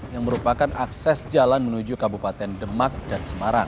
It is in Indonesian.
yang merupakan akses jalan menuju kabupaten demak dan semarang